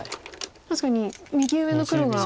確かに右上の黒が。